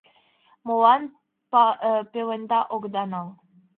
Молан пеленда огыда нал?